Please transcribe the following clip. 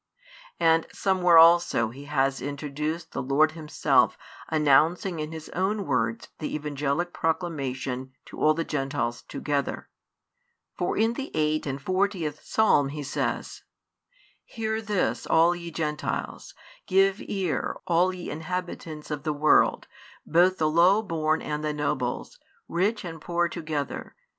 And somewhere also he has introduced the Lord Himself announcing in His own words the Evangelic Proclamation to all the Gentiles together; for in the eight and fortieth Psalm He says: Sear this, all ye Gentiles; give ear, all ye inhabitants of the world, both the low born and the nobles, rich and poor together.